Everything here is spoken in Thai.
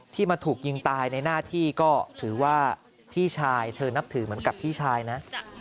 มาถูกยิงตายในหน้าที่ก็ถือว่าพี่ชายเธอนับถือเหมือนกับพี่ชายนะ